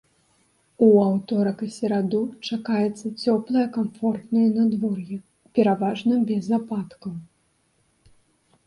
У аўторак і сераду чакаецца цёплае камфортнае надвор'е, пераважна без ападкаў.